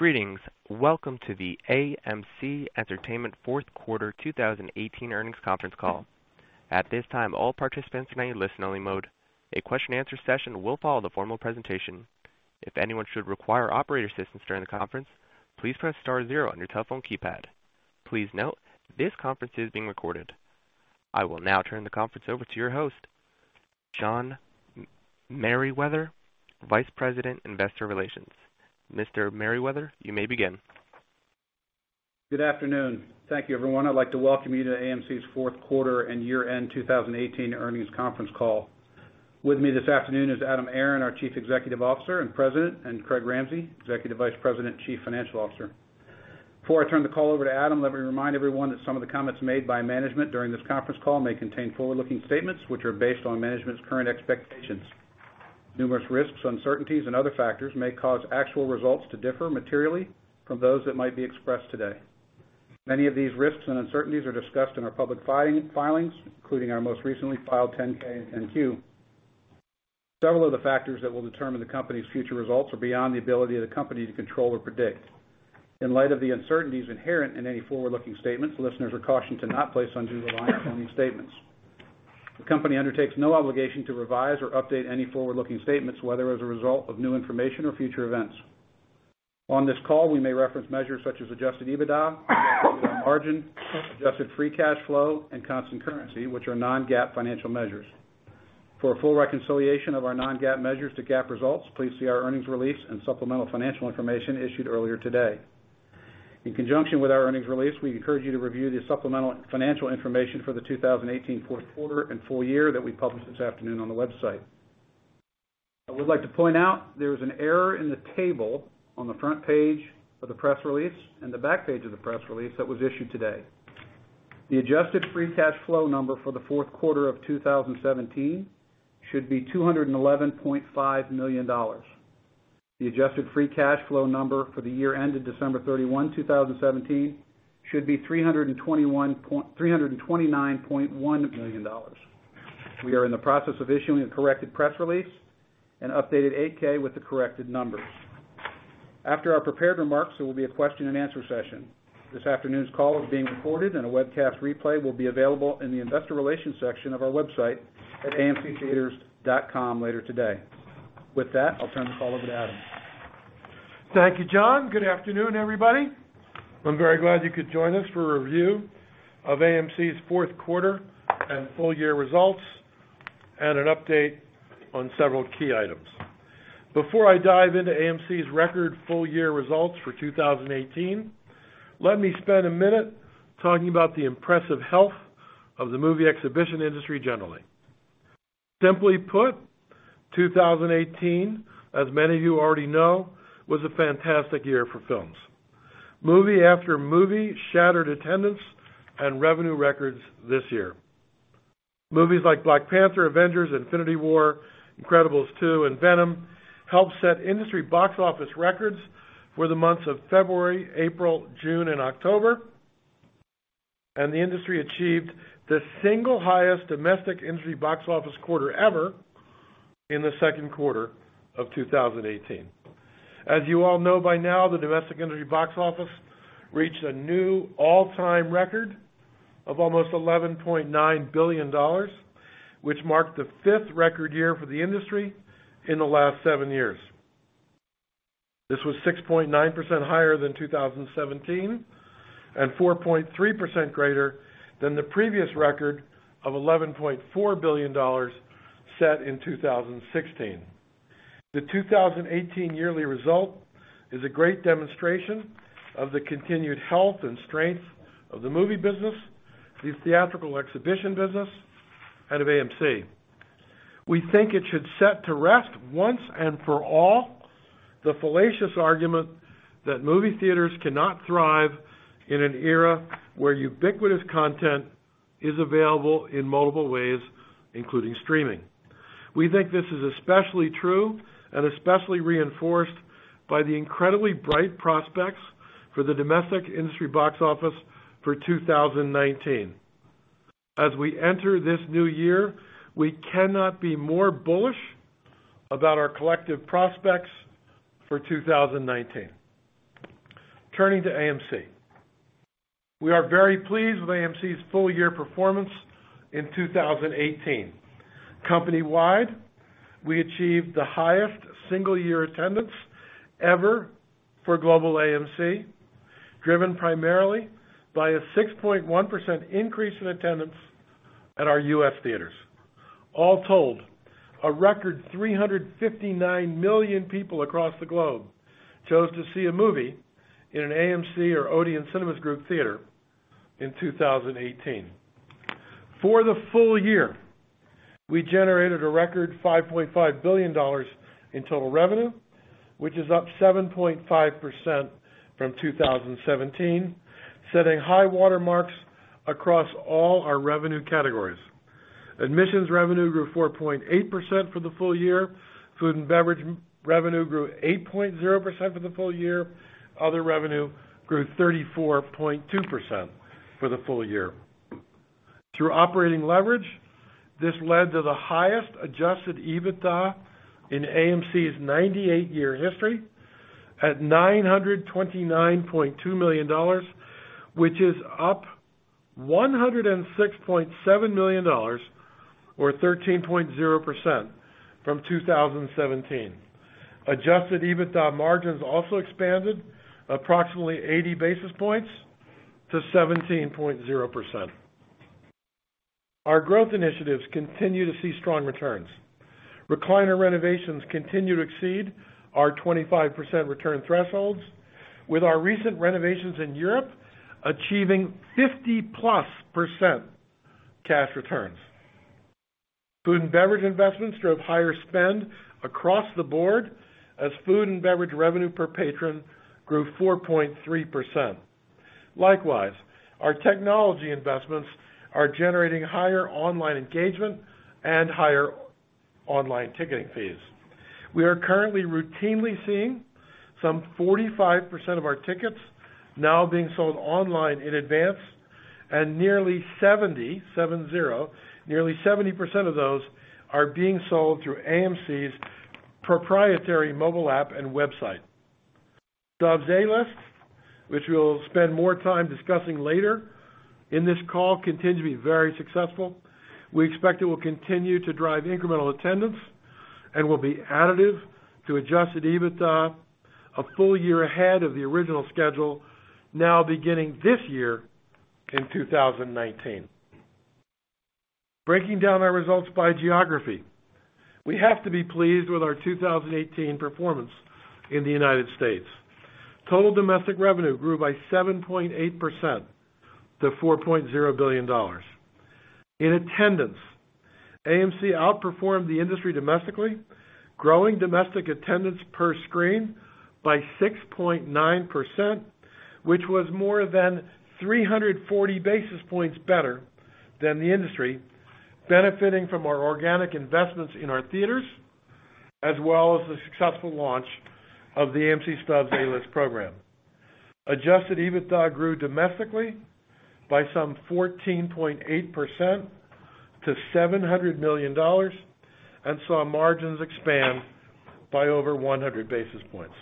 Greetings. Welcome to the AMC Entertainment fourth quarter 2018 earnings conference call. At this time, all participants are in a listen only mode. A question-and-answer session will follow the formal presentation. If anyone should require operator assistance during the conference, please press star zero on your telephone keypad. Please note, this conference is being recorded. I will now turn the conference over to your host, John Merriwether, Vice President, Investor Relations. Mr. Merriwether, you may begin. Good afternoon. Thank you everyone. I'd like to welcome you to AMC's fourth quarter and year-end 2018 earnings conference call. With me this afternoon is Adam Aron, our Chief Executive Officer and President, and Craig Ramsey, Executive Vice President, Chief Financial Officer. Before I turn the call over to Adam, let me remind everyone that some of the comments made by management during this conference call may contain forward-looking statements, which are based on management's current expectations. Numerous risks, uncertainties, and other factors may cause actual results to differ materially from those that might be expressed today. Many of these risks and uncertainties are discussed in our public filings, including our most recently filed 10-K and 10-Q. Several of the factors that will determine the company's future results are beyond the ability of the company to control or predict. In light of the uncertainties inherent in any forward-looking statements, listeners are cautioned to not place undue reliance on these statements. The company undertakes no obligation to revise or update any forward-looking statements, whether as a result of new information or future events. On this call, we may reference measures such as adjusted EBITDA, adjusted EBITDA margin, adjusted free cash flow, and constant currency, which are non-GAAP financial measures. For a full reconciliation of our non-GAAP measures to GAAP results, please see our earnings release and supplemental financial information issued earlier today. In conjunction with our earnings release, we encourage you to review the supplemental financial information for the 2018 fourth quarter and full year that we published this afternoon on the website. I would like to point out there is an error in the table on the front page of the press release and the back page of the press release that was issued today. The adjusted free cash flow number for the fourth quarter of 2017 should be $211.5 million. The adjusted free cash flow number for the year ended December 31, 2017, should be $329.1 million. We are in the process of issuing a corrected press release and updated 8-K with the corrected numbers. After our prepared remarks, there will be a question-and-answer session. This afternoon's call is being recorded and a webcast replay will be available in the investor relations section of our website at amctheatres.com later today. With that, I'll turn the call over to Adam. Thank you, John. Good afternoon, everybody. I'm very glad you could join us for a review of AMC's fourth quarter and full year results and an update on several key items. Before I dive into AMC's record full year results for 2018, let me spend a minute talking about the impressive health of the movie exhibition industry generally. Simply put, 2018, as many of you already know, was a fantastic year for films. Movie after movie shattered attendance and revenue records this year. Movies like Black Panther, Avengers: Infinity War, Incredibles 2, and Venom helped set industry box office records for the months of February, April, June, and October, and the industry achieved the single highest domestic industry box office quarter ever in the second quarter of 2018. As you all know by now, the domestic industry box office reached a new all-time record of almost $11.9 billion, which marked the fifth record year for the industry in the last seven years. This was 6.9% higher than 2017 and 4.3% greater than the previous record of $11.4 billion set in 2016. The 2018 yearly result is a great demonstration of the continued health and strength of the movie business, the theatrical exhibition business, and of AMC. We think it should set to rest once and for all the fallacious argument that movie theaters cannot thrive in an era where ubiquitous content is available in multiple ways, including streaming. We think this is especially true and especially reinforced by the incredibly bright prospects for the domestic industry box office for 2019. As we enter this new year, we cannot be more bullish about our collective prospects for 2019. Turning to AMC. We are very pleased with AMC's full year performance in 2018. Company-wide, we achieved the highest single year attendance ever for global AMC, driven primarily by a 6.1% increase in attendance at our U.S. theaters. All told, a record 359 million people across the globe chose to see a movie in an AMC or Odeon Cinemas Group theater in 2018. For the full year, we generated a record $5.5 billion in total revenue, which is up 7.5% from 2017, setting high water marks across all our revenue categories. Admissions revenue grew 4.8% for the full year. Food and beverage revenue grew 8.0% for the full year. Other revenue grew 34.2% for the full year. Through operating leverage, this led to the highest adjusted EBITDA in AMC's 98-year history at $929.2 million, which is up $106.7 million, or 13.0%, from 2017. Adjusted EBITDA margins also expanded approximately 80 basis points to 17.0%. Our growth initiatives continue to see strong returns. Recliner renovations continue to exceed our 25% return thresholds, with our recent renovations in Europe achieving 50+ percent cash returns. Food and beverage investments drove higher spend across the board as food and beverage revenue per patron grew 4.3%. Likewise, our technology investments are generating higher online engagement and higher online ticketing fees. We are currently routinely seeing some 45% of our tickets now being sold online in advance and nearly 70%, nearly 70% of those are being sold through AMC's proprietary mobile app and website. Stubs A-List, which we'll spend more time discussing later in this call, continue to be very successful. We expect it will continue to drive incremental attendance and will be additive to adjusted EBITDA a full year ahead of the original schedule, now beginning this year in 2019. Breaking down our results by geography, we have to be pleased with our 2018 performance in the United States. Total domestic revenue grew by 7.8% - $4.0 billion. In attendance, AMC outperformed the industry domestically, growing domestic attendance per screen by 6.9%, which was more than 340 basis points better than the industry, benefiting from our organic investments in our theaters, as well as the successful launch of the AMC Stubs A-List program. Adjusted EBITDA grew domestically by some 14.8% to $700 million and saw margins expand by over 100 basis points.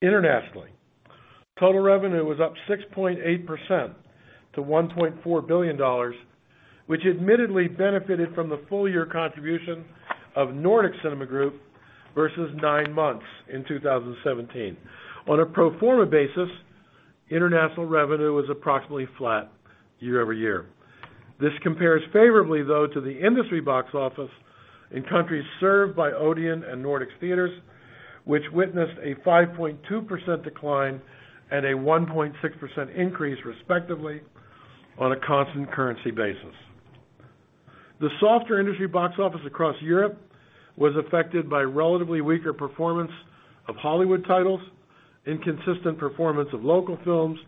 Internationally, total revenue was up 6.8% to $1.4 billion, which admittedly benefited from the full-year contribution of Nordic Cinema Group versus nine months in 2017. On a pro forma basis, international revenue was approximately flat year-over-year. This compares favorably, though, to the industry box office in countries served by Odeon and Nordic Theatres, which witnessed a 5.2% decline and a 1.6% increase, respectively, on a constant currency basis. The softer industry box office across Europe was affected by relatively weaker performance of Hollywood titles, inconsistent performance of local films,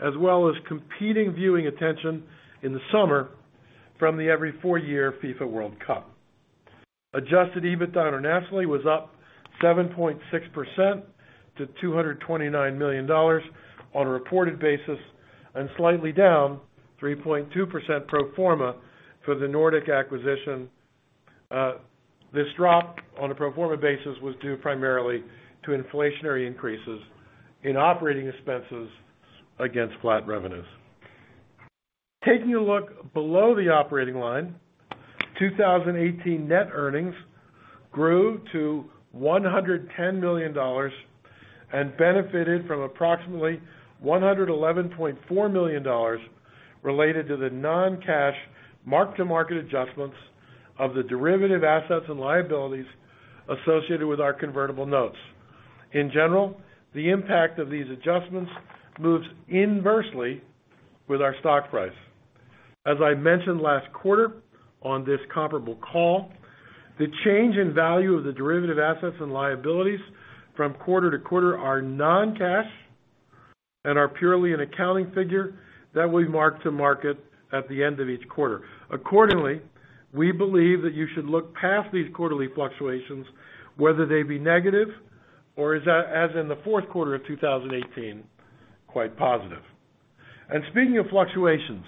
as well as competing viewing attention in the summer from the every four-year FIFA World Cup. Adjusted EBITDA internationally was up 7.6% to $229 million on a reported basis and slightly down 3.2% pro forma for the Nordic acquisition. This drop on a pro forma basis was due primarily to inflationary increases in operating expenses against flat revenues. Taking a look below the operating line, 2018 net earnings grew to $110 million and benefited from approximately $111.4 million related to the non-cash mark-to-market adjustments of the derivative assets and liabilities associated with our convertible notes. In general, the impact of these adjustments moves inversely with our stock price. As I mentioned last quarter on this comparable call, the change in value of the derivative assets and liabilities from quarter-to-quarter are non-cash and are purely an accounting figure that we mark to market at the end of each quarter. Accordingly, we believe that you should look past these quarterly fluctuations, whether they be negative or, as in the fourth quarter of 2018, quite positive. Speaking of fluctuations,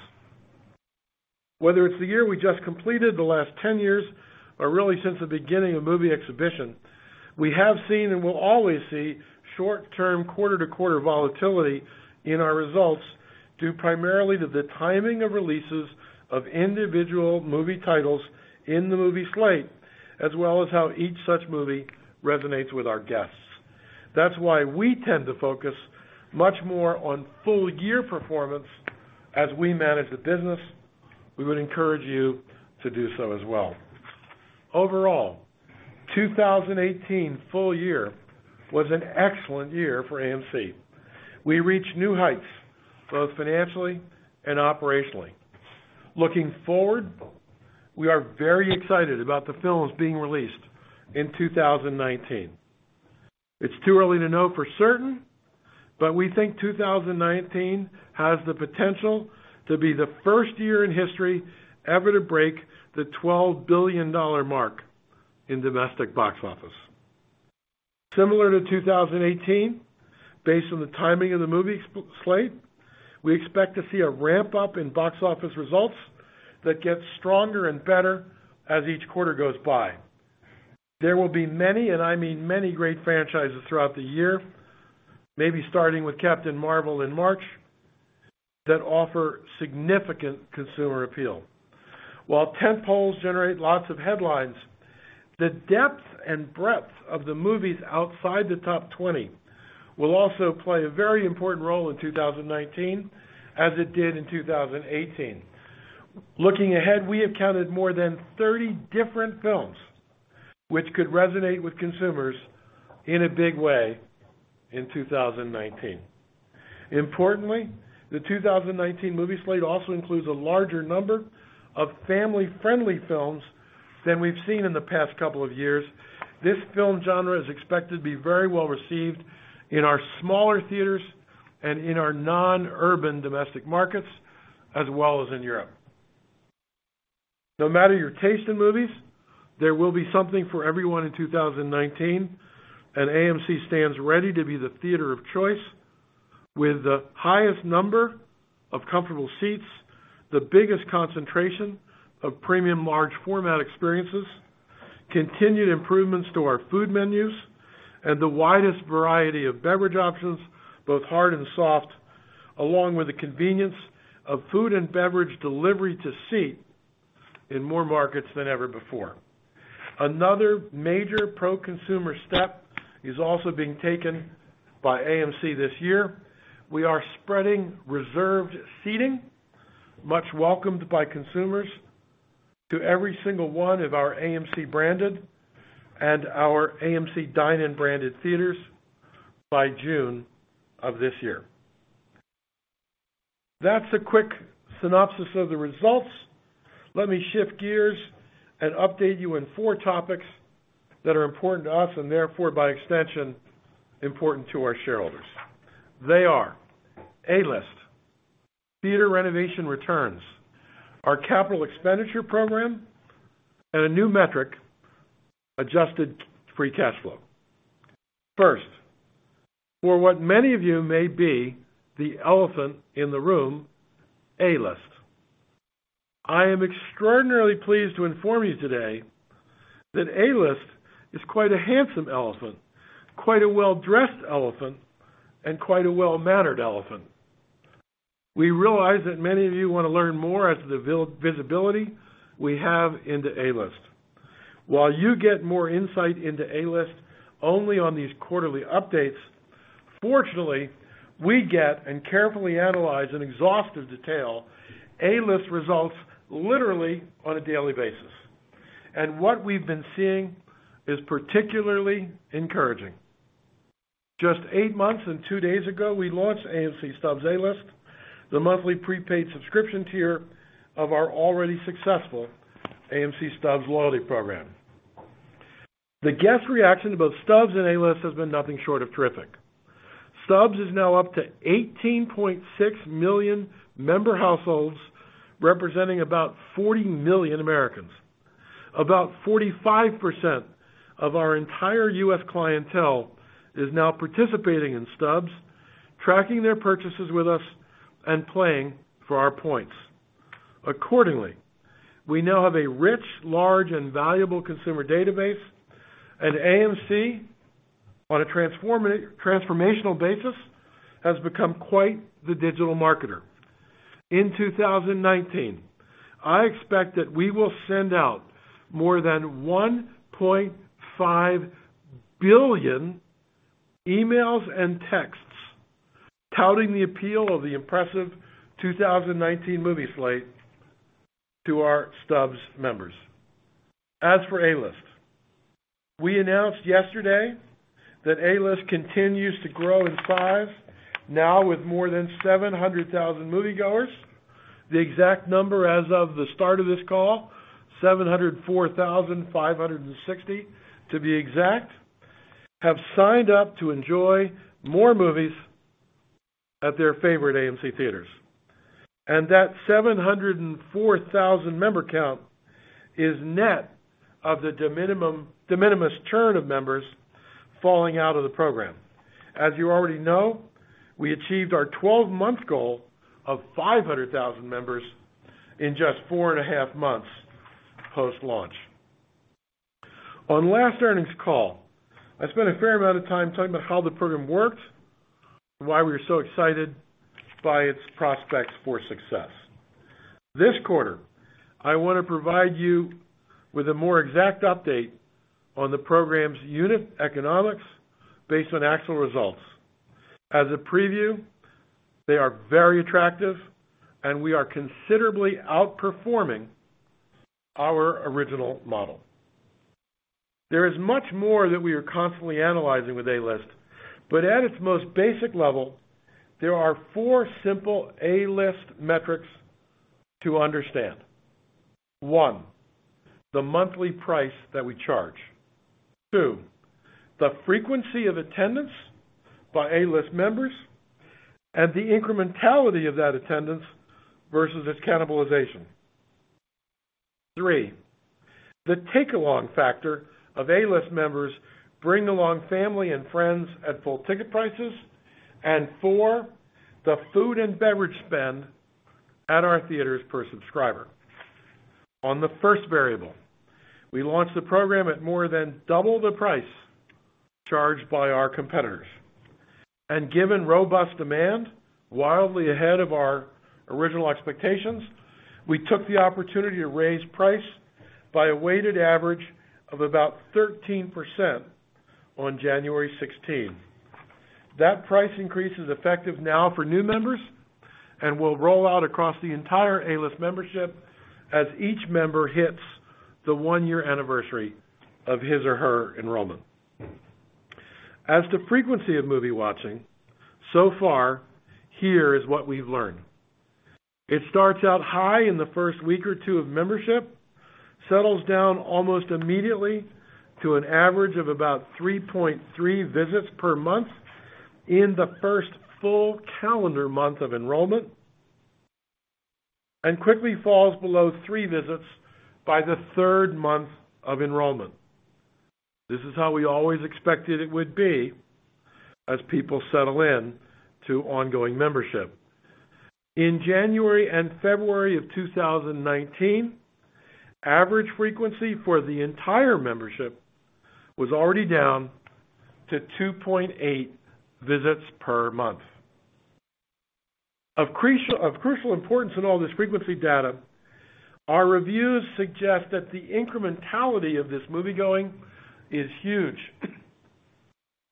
whether it's the year we just completed, the last 10 years, or really since the beginning of movie exhibition, we have seen and will always see short-term quarter-to-quarter volatility in our results due primarily to the timing of releases of individual movie titles in the movie slate, as well as how each such movie resonates with our guests. That's why we tend to focus much more on full-year performance as we manage the business. We would encourage you to do so as well. Overall, 2018 full year was an excellent year for AMC. We reached new heights both financially and operationally. Looking forward, we are very excited about the films being released in 2019. It's too early to know for certain. We think 2019 has the potential to be the first year in history ever to break the $12 billion mark in domestic box office. Similar to 2018, based on the timing of the movie slate, we expect to see a ramp-up in box office results that gets stronger and better as each quarter goes by. There will be many, and I mean many great franchises throughout the year, maybe starting with Captain Marvel in March, that offer significant consumer appeal. While tent poles generate lots of headlines, the depth and breadth of the movies outside the top 20 will also play a very important role in 2019, as it did in 2018. Looking ahead, we have counted more than 30 different films which could resonate with consumers in a big way in 2019. Importantly, the 2019 movie slate also includes a larger number of family-friendly films than we've seen in the past couple of years. This film genre is expected to be very well-received in our smaller theaters and in our non-urban domestic markets, as well as in Europe. No matter your taste in movies, there will be something for everyone in 2019. AMC stands ready to be the theater of choice with the highest number of comfortable seats, the biggest concentration of premium large format experiences, continued improvements to our food menus, and the widest variety of beverage options, both hard and soft, along with the convenience of food and beverage delivery to seat in more markets than ever before. Another major pro-consumer step is also being taken by AMC this year. We are spreading reserved seating, much welcomed by consumers, to every single one of our AMC-branded and our AMC Dine-In branded theaters by June of this year. That's a quick synopsis of the results. Let me shift gears and update you in four topics that are important to us and therefore by extension, important to our shareholders. They are A-List, theater renovation returns, our capital expenditure program, and a new metric, adjusted free cash flow. First, for what many of you may be the elephant in the room, A-List. I am extraordinarily pleased to inform you today that A-List is quite a handsome elephant, quite a well-dressed elephant, and quite a well-mannered elephant. We realize that many of you want to learn more as to the visibility we have into A-List. While you get more insight into A-List only on these quarterly updates, fortunately, we get and carefully analyze in exhaustive detail A-List results literally on a daily basis. What we've been seeing is particularly encouraging. Just eight months and two days ago, we launched AMC Stubs A-List, the monthly prepaid subscription tier of our already successful AMC Stubs loyalty program. The guest reaction to both Stubs and A-List has been nothing short of terrific. Stubs is now up to 18.6 million member households, representing about 40 million Americans. About 45% of our entire U.S. clientele is now participating in Stubs, tracking their purchases with us and playing for our points. Accordingly, we now have a rich, large, and valuable consumer database at AMC on a transformational basis has become quite the digital marketer. In 2019, I expect that we will send out more than 1.5 billion emails and texts touting the appeal of the impressive 2019 movie slate to our Stubs members. As for A-List, we announced yesterday that A-List continues to grow in size now with more than 700,000 moviegoers. The exact number as of the start of this call, 704,560 to be exact, have signed up to enjoy more movies at their favorite AMC Theatres. That 704,000 member count is net of the de minimis churn of members falling out of the program. As you already know, we achieved our 12-month goal of 500,000 members in just four and a half months post-launch. On last earnings call, I spent a fair amount of time talking about how the program works and why we were so excited by its prospects for success. This quarter, I want to provide you with a more exact update on the program's unit economics based on actual results. As a preview, they are very attractive and we are considerably outperforming our original model. There is much more that we are constantly analyzing with A-List, but at its most basic level, there are four simple A-List metrics to understand. One, the monthly price that we charge. Two, the frequency of attendance by A-List members and the incrementality of that attendance versus its cannibalization. Three, the take-along factor of A-List members bring along family and friends at full ticket prices. Four, the food and beverage spend at our theaters per subscriber. On the first variable, we launched the program at more than double the price charged by our competitors. Given robust demand, wildly ahead of our original expectations, we took the opportunity to raise price by a weighted average of about 13% on January 16. That price increase is effective now for new members and will roll out across the entire A-List membership as each member hits the one-year anniversary of his or her enrollment. As to frequency of movie watching, so far, here is what we've learned. It starts out high in the first week or two of membership, settles down almost immediately to an average of about 3.3 visits per month in the first full calendar month of enrollment, and quickly falls below three visits by the third month of enrollment. This is how we always expected it would be as people settle in to ongoing membership. In January and February of 2019, average frequency for the entire membership was already down to 2.8 visits per month. Of crucial importance in all this frequency data, our reviews suggest that the incrementality of this moviegoing is huge.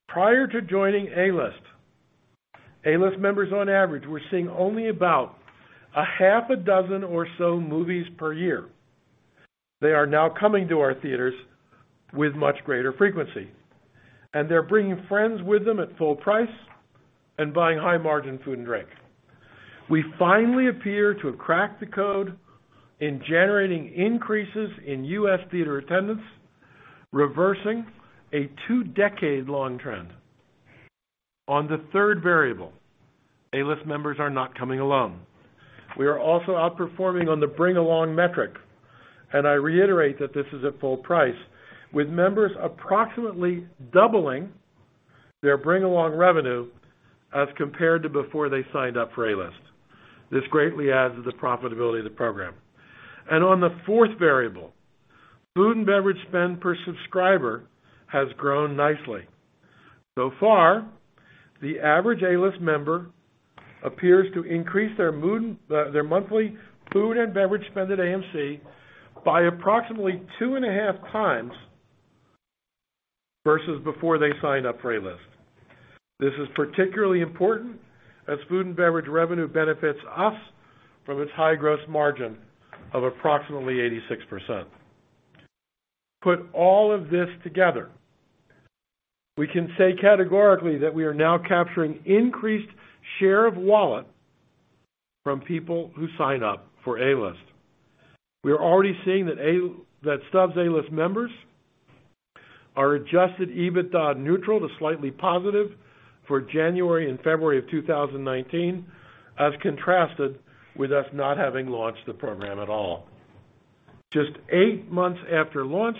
Prior to joining A-List, A-List members, on average, were seeing only about a half a dozen or so movies per year. They are now coming to our theaters with much greater frequency, and they're bringing friends with them at full price and buying high-margin food and drink. We finally appear to have cracked the code in generating increases in U.S. theater attendance, reversing a two-decade-long trend. On the third variable, A-List members are not coming alone. We are also outperforming on the bring-along metric, and I reiterate that this is at full price, with members approximately doubling their bring-along revenue as compared to before they signed up for A-List. This greatly adds to the profitability of the program. On the fourth variable, food and beverage spend per subscriber has grown nicely. So far, the average A-List member appears to increase their monthly food and beverage spend at AMC by approximately two and a half times versus before they signed up for A-List. This is particularly important as food and beverage revenue benefits us from its high gross margin of approximately 86%. Put all of this together, we can say categorically that we are now capturing increased share of wallet from people who sign up for A-List. We are already seeing that Stubs A-List members are adjusted EBITDA neutral to slightly positive for January and February of 2019 as contrasted with us not having launched the program at all. Just eight months after launch,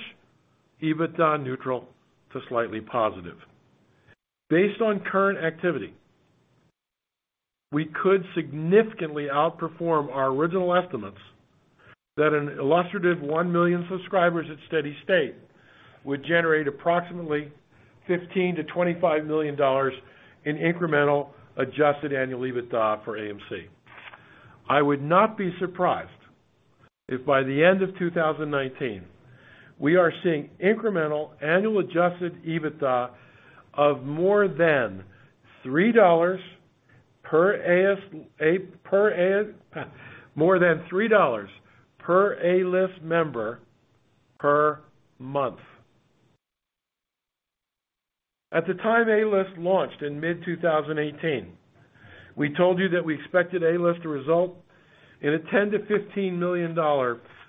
EBITDA neutral to slightly positive. Based on current activity, we could significantly outperform our original estimates that an illustrative one million subscribers at steady state would generate approximately $15 million-$25 million in incremental adjusted annual EBITDA for AMC. I would not be surprised if by the end of 2019, we are seeing incremental annual adjusted EBITDA of more than $3 per A-List member per month. At the time A-List launched in mid-2018, we told you that we expected A-List to result in a $10 million-$15 million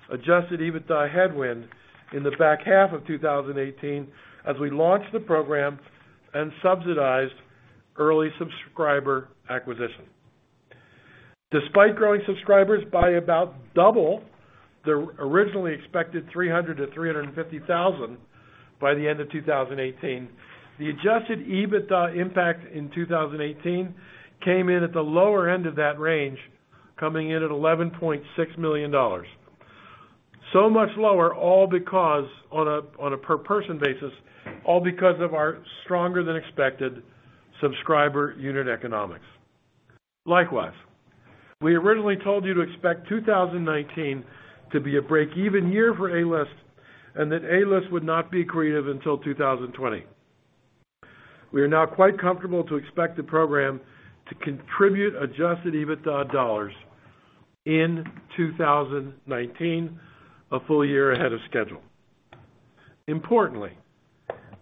adjusted EBITDA headwind in the back half of 2018 as we launched the program and subsidized early subscriber acquisition. Despite growing subscribers by about double their originally expected 300,000-350,000 by the end of 2018, the adjusted EBITDA impact in 2018 came in at the lower end of that range, coming in at $11.6 million. Much lower on a per person basis, all because of our stronger than expected subscriber unit economics. Likewise, we originally told you to expect 2019 to be a break-even year for A-List and that A-List would not be accretive until 2020. We are now quite comfortable to expect the program to contribute adjusted EBITDA dollars in 2019, a full year ahead of schedule. Importantly,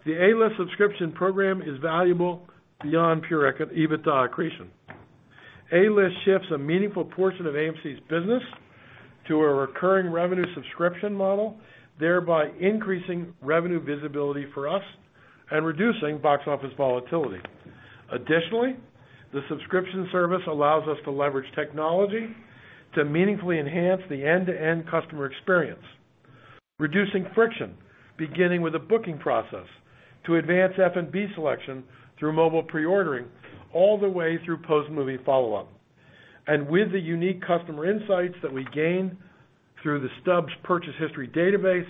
the A-List subscription program is valuable beyond pure EBITDA accretion. A-List shifts a meaningful portion of AMC's business to a recurring revenue subscription model, thereby increasing revenue visibility for us and reducing box office volatility. Additionally, the subscription service allows us to leverage technology to meaningfully enhance the end-to-end customer experience, reducing friction, beginning with the booking process, to advance F&B selection through mobile pre-ordering, all the way through post-movie follow-up. With the unique customer insights that we gain through the Stubs purchase history database,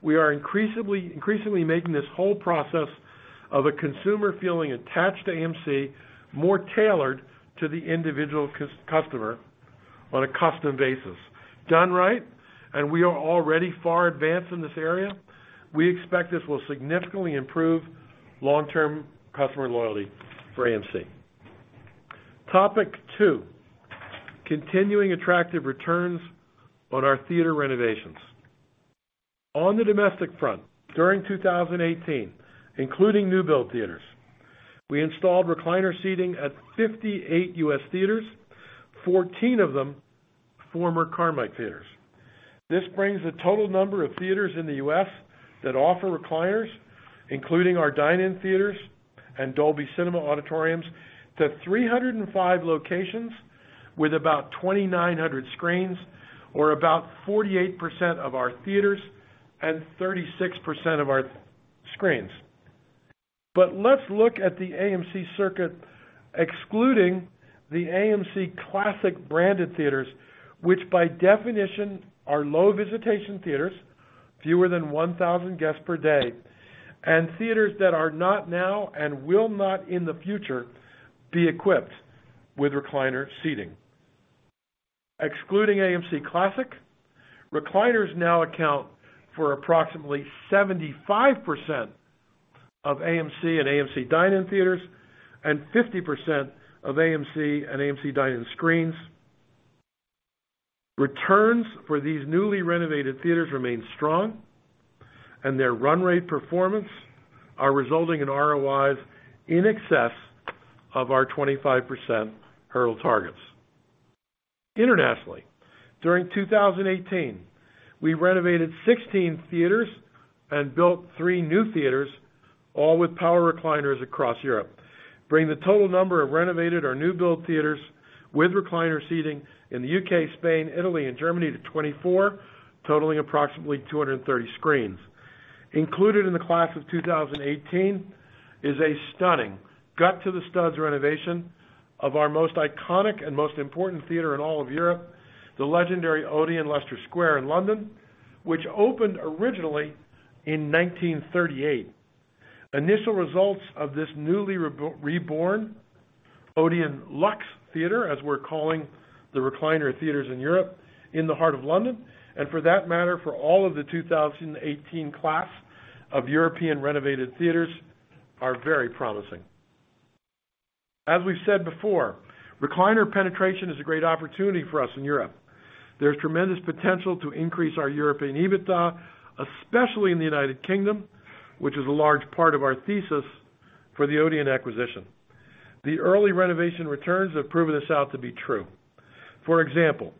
we are increasingly making this whole process of a consumer feeling attached to AMC more tailored to the individual customer on a custom basis. Done right, and we are already far advanced in this area, we expect this will significantly improve long-term customer loyalty for AMC. Topic two, continuing attractive returns on our theater renovations. On the domestic front, during 2018, including new build theaters, we installed recliner seating at 58 U.S. theaters, 14 of them former Carmike theaters. This brings the total number of theaters in the U.S. that offer recliners, including our dine-in theaters and Dolby Cinema auditoriums, to 305 locations with about 2,900 screens, or about 48% of our theaters and 36% of our screens. Let's look at the AMC circuit, excluding the AMC Classic-branded theaters, which by definition are low-visitation theaters, fewer than 1,000 guests per day, and theaters that are not now and will not in the future be equipped with recliner seating. Excluding AMC Classic, recliners now account for approximately 75% of AMC and AMC Dine-In theaters and 50% of AMC and AMC Dine-In screens. Returns for these newly renovated theaters remain strong, and their run rate performance are resulting in ROIs in excess of our 25% hurdle targets. Internationally, during 2018, we renovated 16 theaters and built three new theaters, all with power recliners across Europe, bringing the total number of renovated or new build theaters with recliner seating in the U.K. Spain, Italy, and Germany to 24, totaling approximately 230 screens. Included in the class of 2018 is a stunning gut-to-the-studs renovation of our most iconic and most important theater in all of Europe, the legendary Odeon Leicester Square in London, which opened originally in 1938. Initial results of this newly reborn Odeon Luxe Theater, as we're calling the recliner theaters in Europe, in the heart of London, and for that matter, for all of the 2018 class of European renovated theaters, are very promising. As we've said before, recliner penetration is a great opportunity for us in Europe. There's tremendous potential to increase our European EBITDA, especially in the United Kingdom, which is a large part of our thesis for the Odeon acquisition. The early renovation returns have proven this out to be true. For example,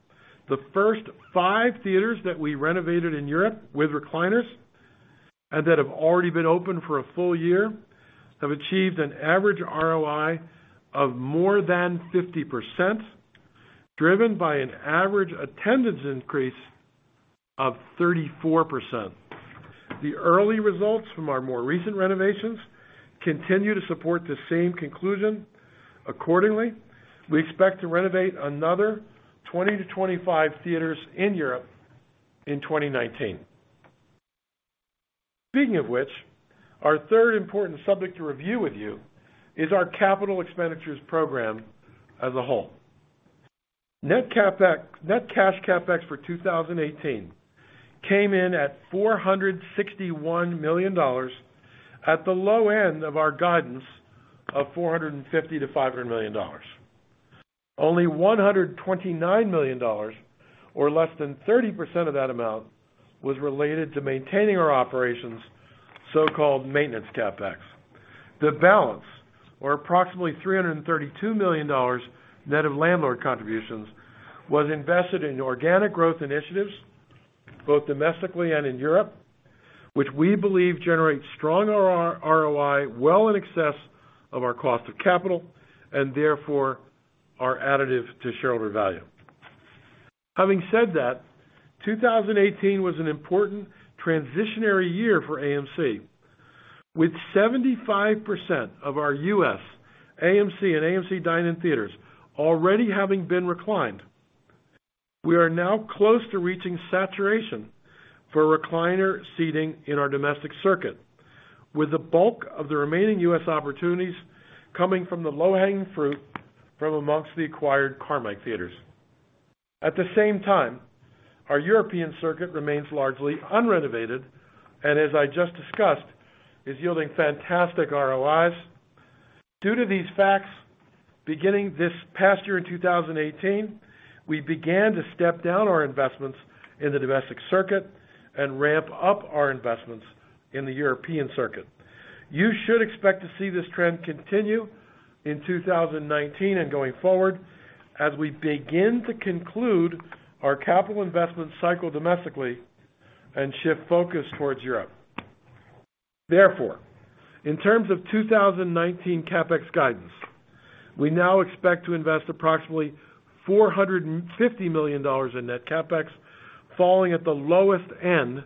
the first five theaters that we renovated in Europe with recliners and that have already been open for a full year have achieved an average ROI of more than 50%, driven by an average attendance increase of 34%. The early results from our more recent renovations continue to support the same conclusion. Accordingly, we expect to renovate another 20 to 25 theaters in Europe in 2019. Speaking of which, our third important subject to review with you is our capital expenditures program as a whole. Net cash CapEx for 2018 came in at $461 million at the low end of our guidance of $450 million-$500 million. Only $129 million, or less than 30% of that amount, was related to maintaining our operations, so-called maintenance CapEx. The balance, or approximately $332 million net of landlord contributions, was invested in organic growth initiatives, both domestically and in Europe, which we believe generate strong ROI well in excess of our cost of capital and therefore are additive to shareholder value. Having said that, 2018 was an important transitionary year for AMC. With 75% of our U.S. AMC and AMC Dine-In theaters already having been reclined, we are now close to reaching saturation for recliner seating in our domestic circuit, with the bulk of the remaining U.S. opportunities coming from the low-hanging fruit from amongst the acquired Carmike theaters. At the same time, our European circuit remains largely unrenovated and as I just discussed, is yielding fantastic ROIs. Due to these facts, beginning this past year in 2018, we began to step down our investments in the domestic circuit and ramp up our investments in the European circuit. You should expect to see this trend continue in 2019 and going forward as we begin to conclude our capital investment cycle domestically and shift focus towards Europe. In terms of 2019 CapEx guidance, we now expect to invest approximately $450 million in net CapEx, falling at the lowest end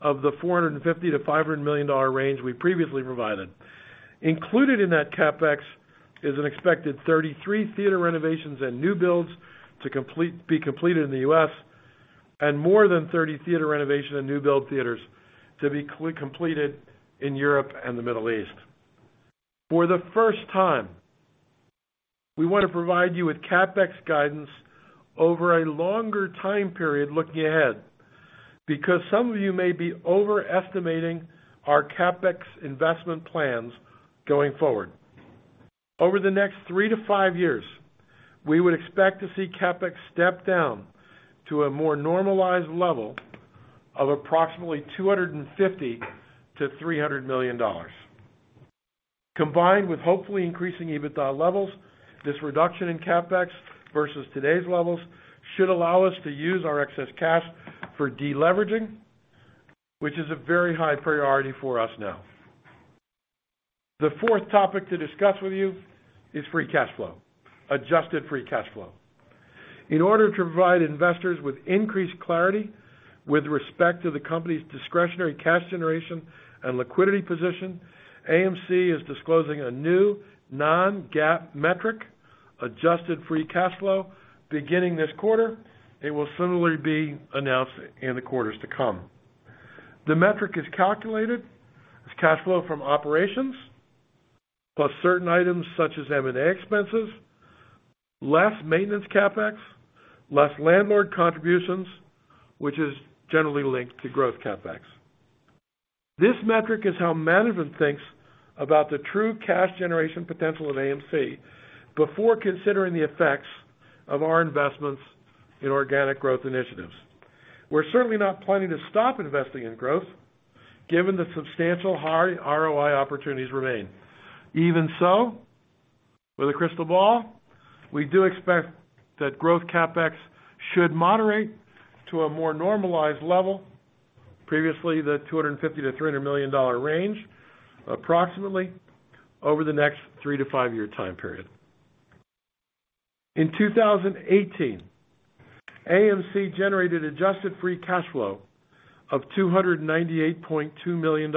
of the $450 million-$500 million range we previously provided. Included in that CapEx is an expected 33 theater renovations and new builds to be completed in the U.S. and more than 30 theater renovation and new build theaters to be completed in Europe and the Middle East. For the first time, we want to provide you with CapEx guidance over a longer time period looking ahead, because some of you may be overestimating our CapEx investment plans going forward. Over the next three to five years, we would expect to see CapEx step down to a more normalized level of approximately $250 million-$300 million. Combined with hopefully increasing EBITDA levels, this reduction in CapEx versus today's levels should allow us to use our excess cash for de-leveraging, which is a very high priority for us now. The fourth topic to discuss with you is free cash flow. Adjusted free cash flow. In order to provide investors with increased clarity with respect to the company's discretionary cash generation and liquidity position, AMC is disclosing a new non-GAAP metric, adjusted free cash flow, beginning this quarter. It will similarly be announced in the quarters to come. The metric is calculated as cash flow from operations, plus certain items such as M&A expenses, less maintenance CapEx, less landlord contributions, which is generally linked to growth CapEx. This metric is how management thinks about the true cash generation potential of AMC before considering the effects of our investments in organic growth initiatives. We're certainly not planning to stop investing in growth, given the substantial high ROI opportunities remain. Even so, with a crystal ball, we do expect that growth CapEx should moderate to a more normalized level, previously the $250 million-$300 million range, approximately over the next three to five-year time period. In 2018, AMC generated adjusted free cash flow of $298.2 million.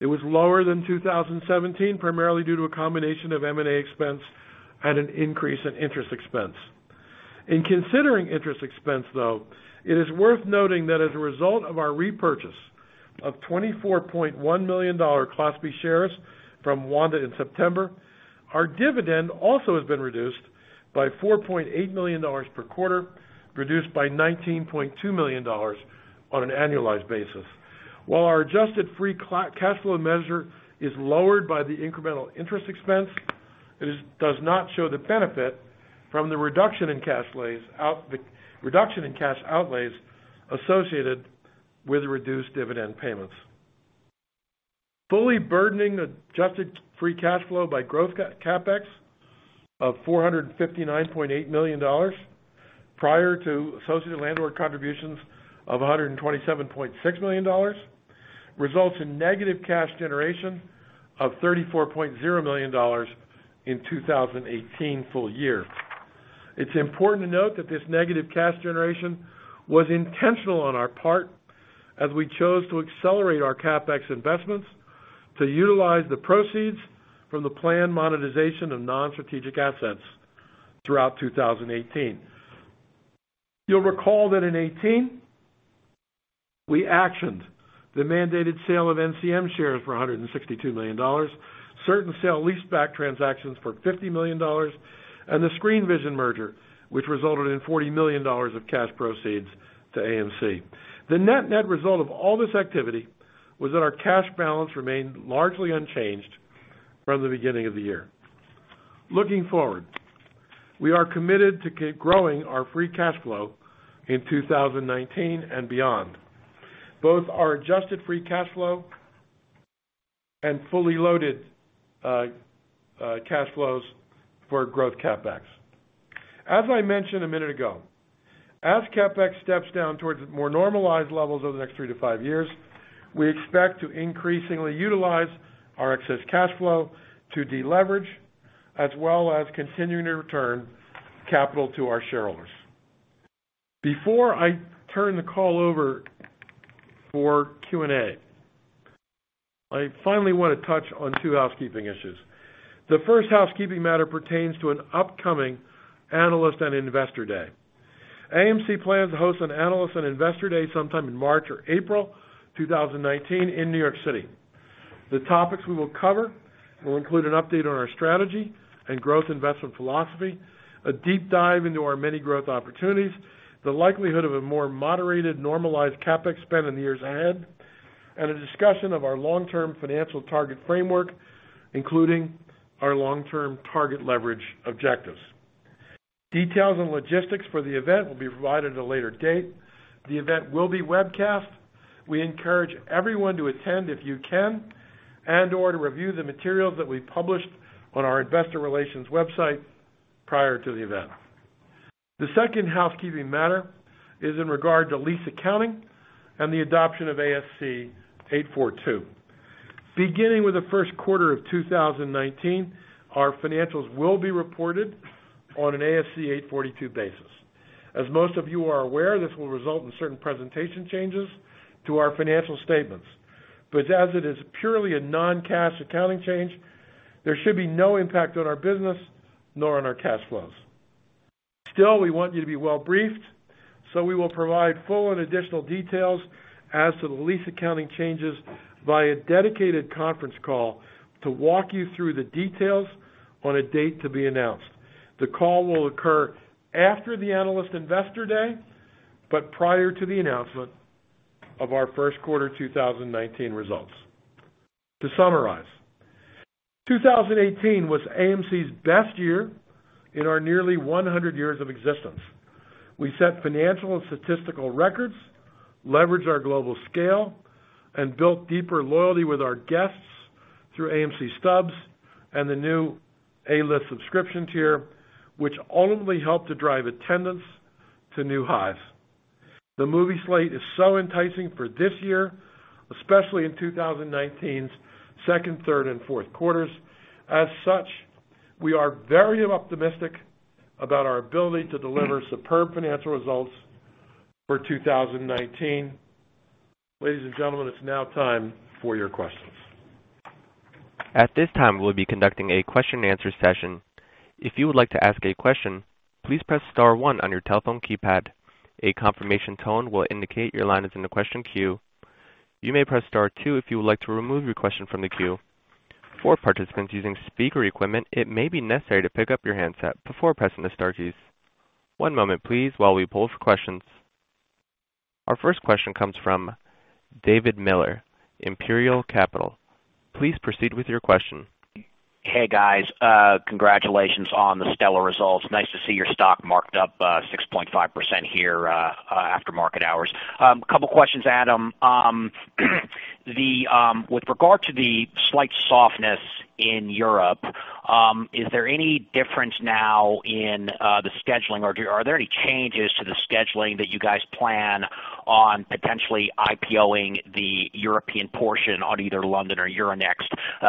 It was lower than 2017, primarily due to a combination of M&A expense and an increase in interest expense. In considering interest expense, though, it is worth noting that as a result of our repurchase of $24.1 million Class B shares from Wanda in September, our dividend also has been reduced by $4.8 million per quarter, reduced by $19.2 million on an annualized basis. While our adjusted free cash flow measure is lowered by the incremental interest expense, it does not show the benefit from the reduction in cash outlays associated with the reduced dividend payments. Fully burdening adjusted free cash flow by growth CapEx of $459.8 million, prior to associated landlord contributions of $127.6 million, results in negative cash generation of $34.0 million in 2018 full year. It's important to note that this negative cash generation was intentional on our part as we chose to accelerate our CapEx investments to utilize the proceeds from the planned monetization of non-strategic assets throughout 2018. You'll recall that in 2018, we actioned the mandated sale of NCM shares for $162 million, certain sale leaseback transactions for $50 million, and the Screenvision merger, which resulted in $40 million of cash proceeds to AMC. The net-net result of all this activity was that our cash balance remained largely unchanged from the beginning of the year. Looking forward, we are committed to keep growing our free cash flow in 2019 and beyond. Both our adjusted free cash flow and fully loaded cash flows for growth CapEx. As I mentioned a minute ago, as CapEx steps down towards more normalized levels over the next 3 to 5 years, we expect to increasingly utilize our excess cash flow to de-leverage, as well as continuing to return capital to our shareholders. Before I turn the call over for Q&A, I finally want to touch on two housekeeping issues. The first housekeeping matter pertains to an upcoming Analyst and Investor Day. AMC plans to host an Analyst and Investor Day sometime in March or April 2019 in New York City. The topics we will cover will include an update on our strategy and growth investment philosophy, a deep dive into our many growth opportunities, the likelihood of a more moderated, normalized CapEx spend in the years ahead, and a discussion of our long-term financial target framework, including our long-term target leverage objectives. Details and logistics for the event will be webcast. We encourage everyone to attend if you can and/or to review the materials that we published on our investor relations website prior to the event. The second housekeeping matter is in regard to lease accounting and the adoption of ASC 842. Beginning with the first quarter of 2019, our financials will be reported on an ASC 842 basis. As most of you are aware, this will result in certain presentation changes to our financial statements. As it is purely a non-cash accounting change, there should be no impact on our business nor on our cash flows. Still, we want you to be well-briefed, so we will provide full and additional details as to the lease accounting changes via dedicated conference call to walk you through the details on a date to be announced. The call will occur after the Analyst and Investor Day, but prior to the announcement of our first quarter 2019 results. To summarize, 2018 was AMC's best year in our nearly 100 years of existence. We set financial and statistical records, leveraged our global scale, and built deeper loyalty with our guests through AMC Stubs and the new A-List subscription tier, which ultimately helped to drive attendance to new highs. The movie slate is so enticing for this year, especially in 2019's second, third, and fourth quarters. As such, we are very optimistic about our ability to deliver superb financial results for 2019. Ladies and gentlemen, it's now time for your questions. At this time, we'll be conducting a question and answer session. If you would like to ask a question, please press star one on your telephone keypad. A confirmation tone will indicate your line is in the question queue. You may press star two if you would like to remove your question from the queue. For participants using speaker equipment, it may be necessary to pick up your handset before pressing the star keys. One moment, please, while we poll for questions. Our first question comes from David Miller, Imperial Capital. Please proceed with your question. Hey, guys. Congratulations on the stellar results. Nice to see your stock marked up 6.5% here after market hours. Couple of questions, Adam. With regard to the slight softness in Europe, is there any difference now in the scheduling, or are there any changes to the scheduling that you guys plan on potentially IPO-ing the European portion on either London or Euronext?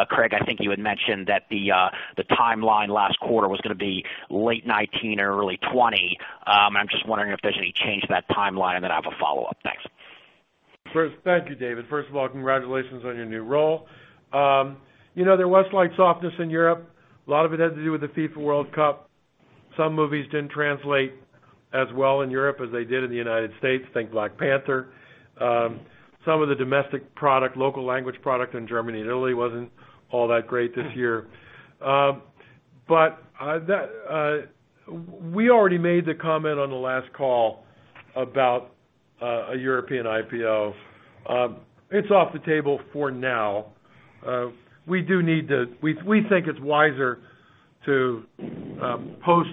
Craig, I think you had mentioned that the timeline last quarter was going to be late 2019 or early 2020. I'm just wondering if there's any change to that timeline, and then I have a follow-up. Thanks. Thank you, David. First of all, congratulations on your new role. There was slight softness in Europe. A lot of it had to do with the FIFA World Cup. Some movies didn't translate as well in Europe as they did in the United States. Think "Black Panther". Some of the domestic product, local language product in Germany and Italy wasn't all that great this year. We already made the comment on the last call about a European IPO. It's off the table for now. We think it's wiser to post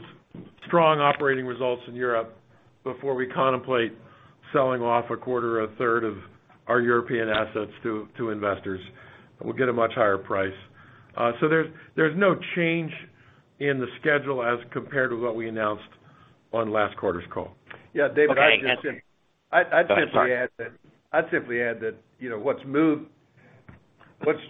strong operating results in Europe before we contemplate selling off a quarter or a third of our European assets to investors. We'll get a much higher price. There's no change in the schedule as compared to what we announced on last quarter's call. Okay. David, I'd simply add that what's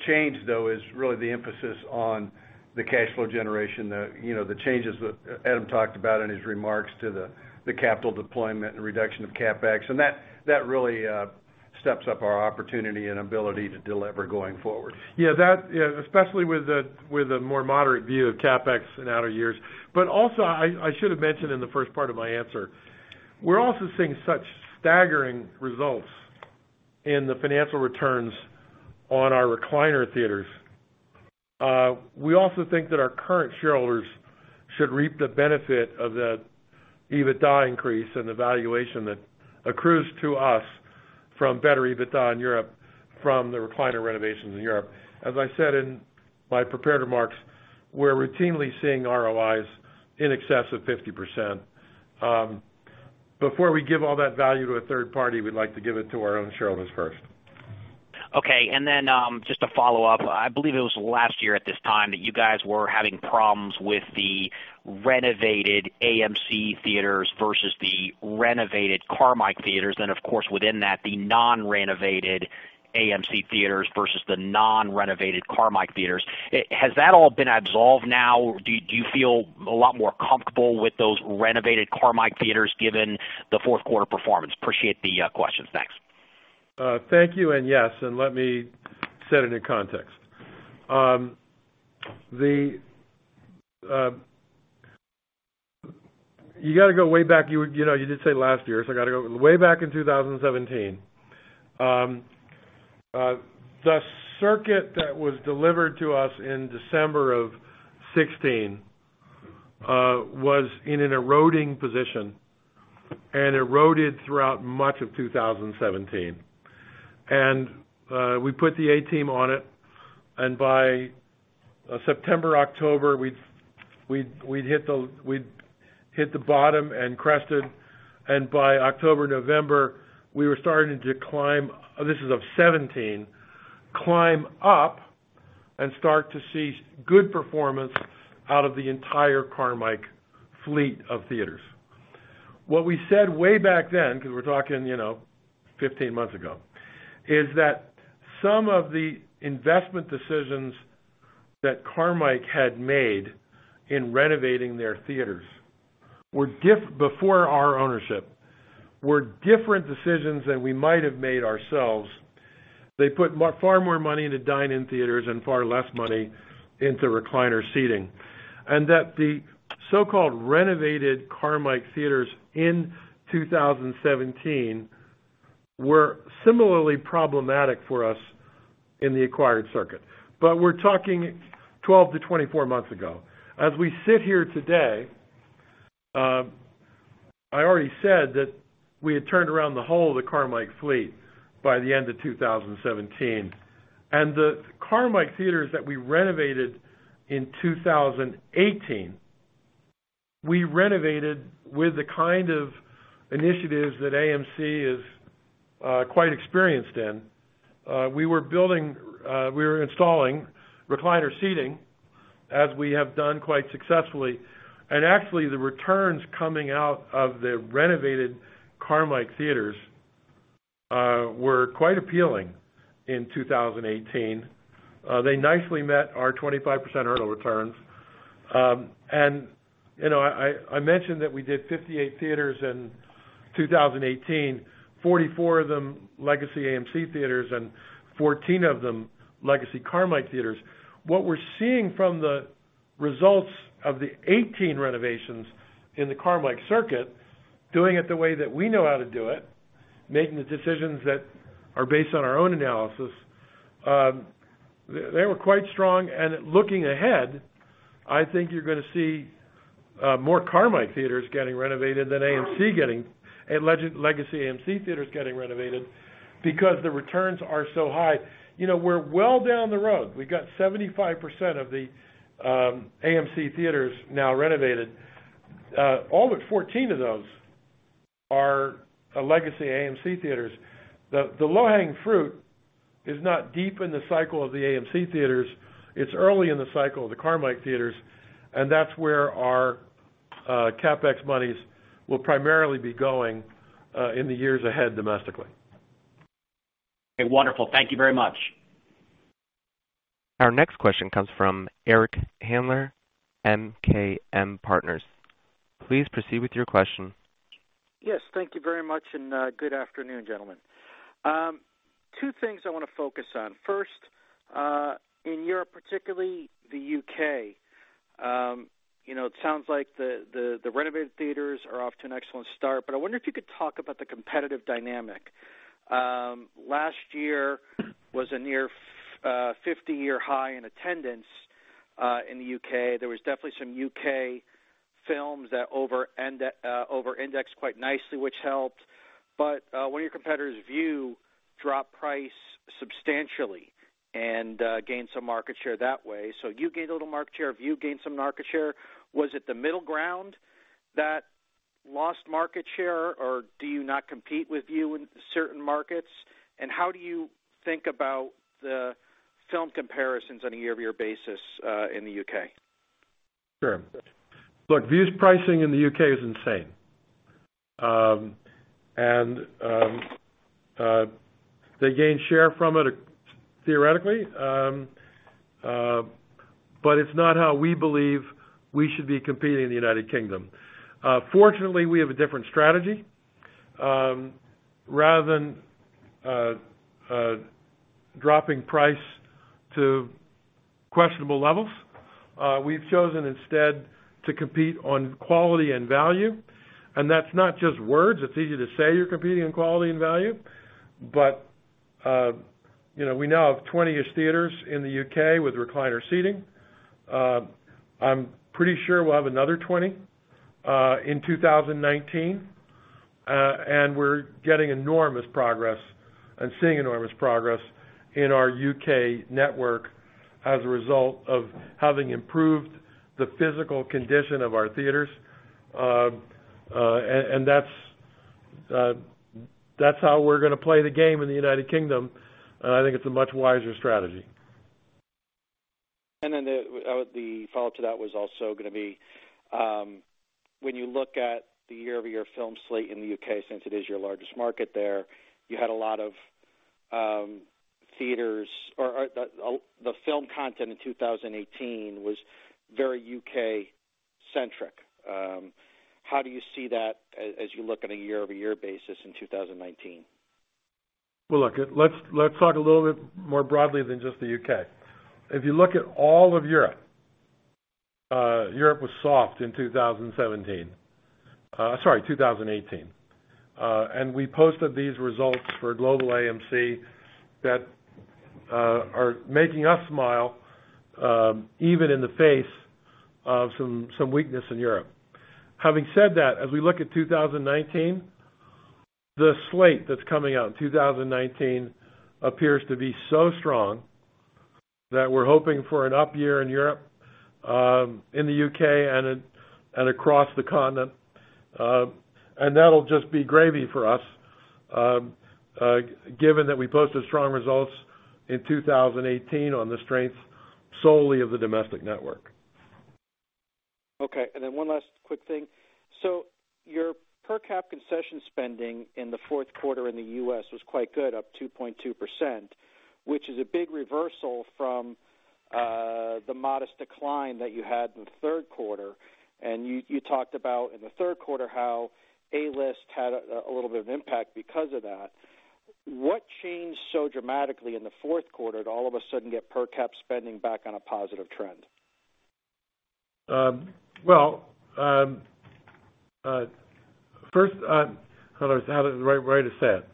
changed, though, is really the emphasis on the cash flow generation, the changes that Adam talked about in his remarks to the capital deployment and reduction of CapEx, and that really steps up our opportunity and ability to deliver going forward. Especially with a more moderate view of CapEx in outer years. Also, I should have mentioned in the first part of my answer, we're also seeing such staggering results in the financial returns on our recliner theaters. We also think that our current shareholders should reap the benefit of the EBITDA increase and the valuation that accrues to us from better EBITDA in Europe from the recliner renovations in Europe. As I said in my prepared remarks, we're routinely seeing ROIs in excess of 50%. Before we give all that value to a third party, we'd like to give it to our own shareholders first. Okay. Just a follow-up. I believe it was last year at this time that you guys were having problems with the renovated AMC Theatres versus the renovated Carmike Theatres, and of course, within that, the non-renovated AMC Theatres versus the non-renovated Carmike Theatres. Has that all been absolved now? Do you feel a lot more comfortable with those renovated Carmike Theatres given the fourth quarter performance? Appreciate the questions. Thanks. Thank you. Yes, let me set it in context. You got to go way back. You did say last year. You got to go way back in 2017. The circuit that was delivered to us in December of 2016 was in an eroding position and eroded throughout much of 2017. We put the A team on it, and by September, October, we'd hit the bottom and crested, and by October, November, we were starting to climb, this is of 2017, climb up and start to see good performance out of the entire Carmike fleet of theaters. What we said way back then, because we're talking 15 months ago, is that some of the investment decisions that Carmike had made in renovating their theaters, before our ownership, were different decisions than we might have made ourselves. They put far more money into dine-in theaters and far less money into recliner seating. That the so-called renovated Carmike Theatres in 2017 were similarly problematic for us in the acquired circuit. We're talking 12 to 24 months ago. As we sit here today, I already said that we had turned around the whole of the Carmike fleet by the end of 2017. The Carmike Theatres that we renovated in 2018, we renovated with the kind of initiatives that AMC is quite experienced in. We were installing recliner seating, as we have done quite successfully. Actually, the returns coming out of the renovated Carmike Theatres were quite appealing in 2018. They nicely met our 25% earnout returns. I mentioned that we did 58 theaters in 2018, 44 of them Legacy AMC Theatres, and 14 of them Legacy Carmike Theatres. What we're seeing from the results of the 18 renovations in the Carmike circuit, doing it the way that we know how to do it, making the decisions that are based on our own analysis, they were quite strong. Looking ahead, I think you're going to see more Carmike theaters getting renovated than Legacy AMC Theatres getting renovated because the returns are so high. We're well down the road. We've got 75% of the AMC Theatres now renovated. All but 14 of those are Legacy AMC Theatres. The low-hanging fruit is not deep in the cycle of the AMC Theatres. It's early in the cycle of the Carmike theaters, and that's where our CapEx monies will primarily be going in the years ahead domestically. Okay, wonderful. Thank you very much. Our next question comes from Eric Handler, MKM Partners. Please proceed with your question. Yes, thank you very much. Good afternoon, gentlemen. Two things I want to focus on. First, in Europe, particularly the U.K. it sounds like the renovated theaters are off to an excellent start, but I wonder if you could talk about the competitive dynamic. Last year was a near 50-year high in attendance in the U.K. There was definitely some U.K. films that over-indexed quite nicely, which helped. One of your competitors, Vue, dropped price substantially and gained some market share that way. You gained a little market share. Vue gained some market share. Was it the middle ground that lost market share, or do you not compete with Vue in certain markets? What do you think about the film comparisons on a year-over-year basis in the U.K.? Sure. Look, Vue's pricing in the U.K. is insane. They gain share from it, theoretically, but it's not how we believe we should be competing in the United Kingdom. Fortunately, we have a different strategy. Rather than dropping price to questionable levels, we've chosen instead to compete on quality and value. That's not just words. It's easy to say you're competing on quality and value, but we now have 20-ish theaters in the U.K. with recliner seating. I'm pretty sure we'll have another 20 in 2019. We're getting enormous progress and seeing enormous progress in our U.K. network as a result of having improved the physical condition of our theaters. That's how we're going to play the game in the United Kingdom, and I think it's a much wiser strategy. The follow-up to that was also going to be, when you look at the year-over-year film slate in the U.K., since it is your largest market there, the film content in 2018 was very U.K. Centric. How do you see that as you look at a year-over-year basis in 2019? Well, look, let's talk a little bit more broadly than just the U.K. If you look at all of Europe was soft in 2017. Sorry, 2018. We posted these results for global AMC that are making us smile even in the face of some weakness in Europe. Having said that, as we look at 2019. The slate that's coming out in 2019 appears to be so strong that we're hoping for an up year in Europe, in the U.K. and across the continent. That'll just be gravy for us, given that we posted strong results in 2018 on the strength solely of the domestic network. Okay. One last quick thing. Your per cap concession spending in the fourth quarter in the U.S. was quite good, up 2.2%, which is a big reversal from the modest decline that you had in the third quarter. You talked about in the third quarter how A-List had a little bit of impact because of that. What changed so dramatically in the fourth quarter to all of a sudden get per cap spending back on a positive trend? Well, first, how else to say it, the right way to say it.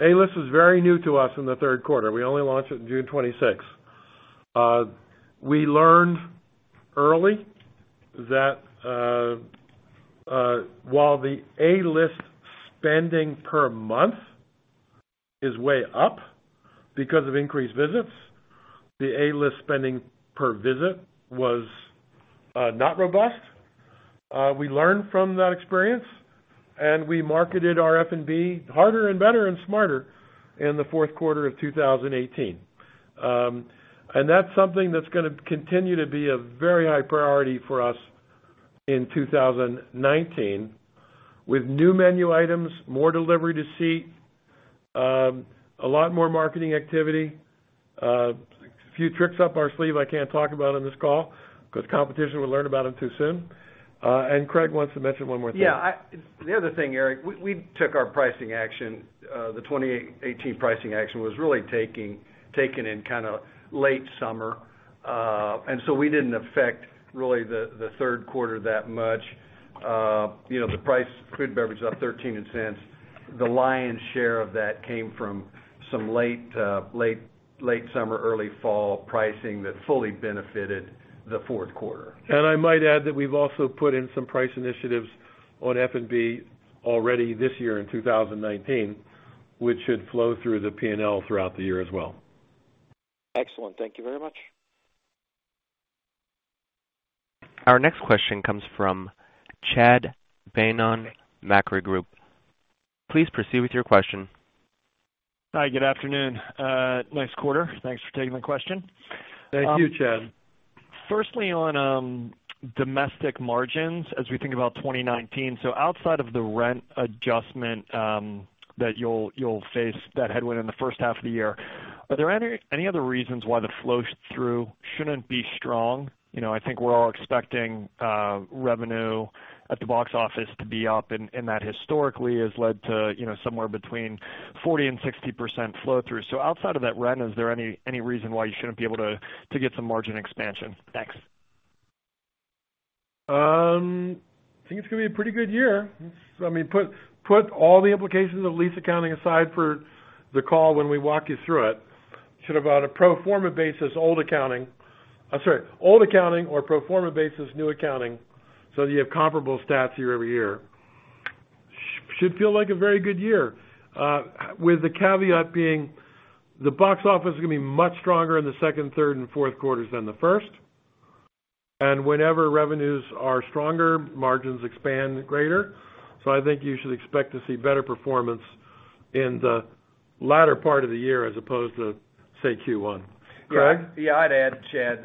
A-List was very new to us in the third quarter. We only launched it on June 26th. We learned early that while the A-List spending per month is way up because of increased visits, the A-List spending per visit was not robust. We marketed our F&B harder and better and smarter in the fourth quarter of 2018. That's something that's going to continue to be a very high priority for us in 2019 with new menu items, more delivery to seat, a lot more marketing activity, a few tricks up our sleeve I can't talk about on this call because competition would learn about them too soon. Craig wants to mention one more thing. Yeah. The other thing, Eric, we took our pricing action. The 2018 pricing action was really taken in late summer. We didn't affect really the third quarter that much. The price of food and beverage was up $0.13. The lion's share of that came from some late summer, early fall pricing that fully benefited the fourth quarter. I might add that we've also put in some price initiatives on F&B already this year in 2019, which should flow through the P&L throughout the year as well. Excellent. Thank you very much. Our next question comes from Chad Beynon, Macquarie Group. Please proceed with your question. Hi, good afternoon. Nice quarter. Thanks for taking my question. Thank you, Chad. Firstly, on domestic margins as we think about 2019, outside of the rent adjustment that you'll face that headwind in the first half of the year, are there any other reasons why the flow-through shouldn't be strong? I think we're all expecting revenue at the box office to be up, and that historically has led to somewhere between 40% and 60% flow-through. Outside of that rent, is there any reason why you shouldn't be able to get some margin expansion next? I think it's going to be a pretty good year. Put all the implications of lease accounting aside for the call when we walk you through it. Should have on a pro forma basis, old accounting. I'm sorry, old accounting or pro forma basis, new accounting, so that you have comparable stats year-over-year. Should feel like a very good year, with the caveat being the box office is going to be much stronger in the second, third, and fourth quarters than the first. Whenever revenues are stronger, margins expand greater. I think you should expect to see better performance in the latter part of the year as opposed to, say, Q1. Craig? Yeah. I'd add, Chad,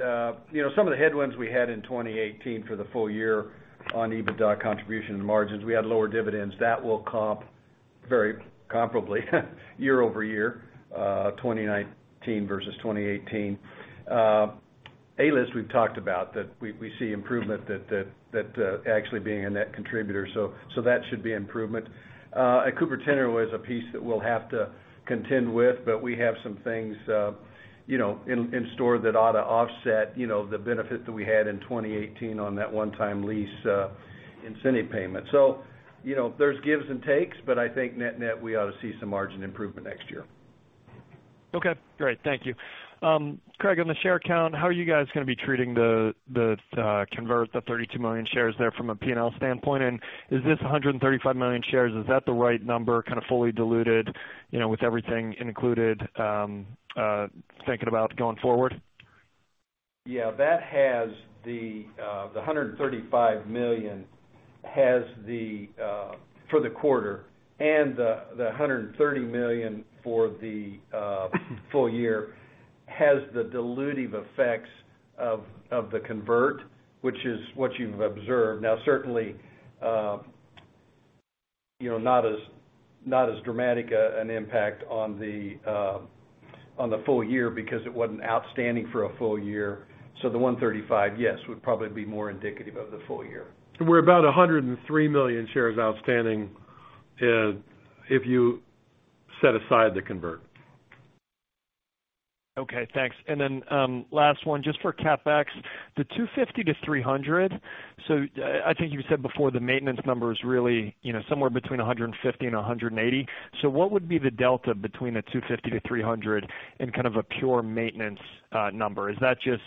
some of the headwinds we had in 2018 for the full year on EBITDA contribution and margins, we had lower dividends. That will comp very comparably year-over-year, 2019 versus 2018. A-List, we've talked about, that we see improvement that actually being a net contributor. That should be improvement. Cooper Tire was a piece that we'll have to contend with, but we have some things in store that ought to offset the benefit that we had in 2018 on that one-time lease incentive payment. There's gives and takes, but I think net-net, we ought to see some margin improvement next year. Okay, great. Thank you. Craig, on the share count, how are you guys going to be treating the convert, the 32 million shares there from a P&L standpoint? Is this 135 million shares, is that the right number, kind of fully diluted, with everything included, thinking about going forward? Yeah. The 135 million for the quarter and the 130 million for the full year has the dilutive effects of the convert, which is what you've observed. Now, certainly, not as dramatic an impact on the full year because it wasn't outstanding for a full year. The 135, yes, would probably be more indicative of the full year. We're about 103 million shares outstanding if you set aside the convert. Okay thanks and then last one. For CapEx, the $250 million to $300 million, I think you said before the maintenance number is somewhere between $150 million and $180 million. What would be the delta between the $250 million - $300 million and a pure maintenance number? Is that just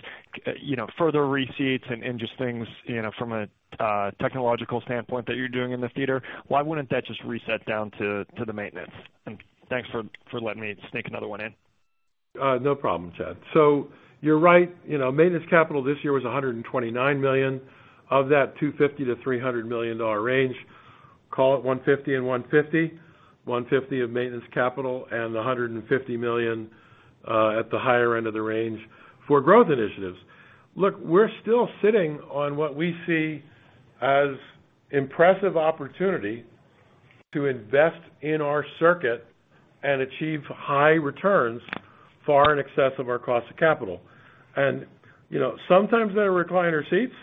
further receipts and just things from a technological standpoint that you're doing in the theater, why wouldn't that just reset down to the maintenance? Thanks for letting me sneak another one in. No problem, Chad. You're right, maintenance capital this year was $129 million. Of that $250 million- $300 million range, call it $150 million and $150 million, $150 million of maintenance capital and the $150 million at the higher end of the range for growth initiatives. Look, we're still sitting on what we see as impressive opportunity to invest in our circuit and achieve high returns far in excess of our cost of capital. Sometimes they're recliner seats.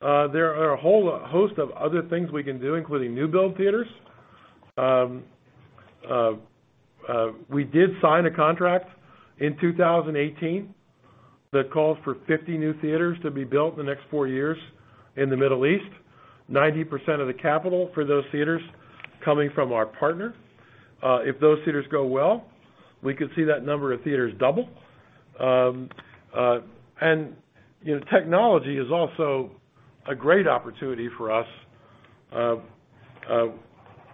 There are a whole host of other things we can do, including new build theaters. We did sign a contract in 2018 that called for 50 new theaters to be built in the next four years in the Middle East, 90% of the capital for those theaters coming from our partner. If those theaters go well, we could see that number of theaters double. Technology is also a great opportunity for us.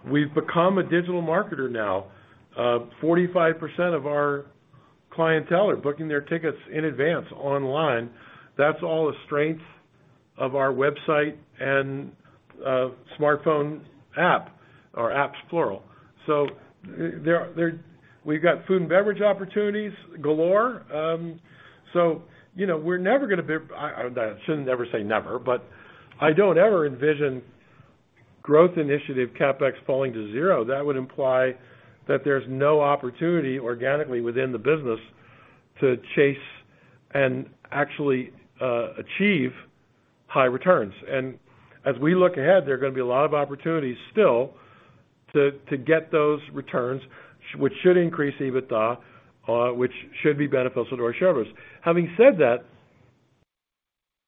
We've become a digital marketer now. 45% of our clientele are booking their tickets in advance online. That's all the strength of our website and smartphone app, or apps plural. We've got food and beverage opportunities galore. I shouldn't ever say never, but I don't ever envision growth initiative CapEx falling to zero. That would imply that there's no opportunity organically within the business to chase and actually achieve high returns. As we look ahead, there are going to be a lot of opportunities still to get those returns, which should increase EBITDA, which should be beneficial to our shareholders. Having said that,